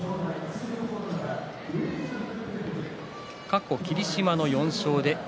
過去霧島の４勝で翠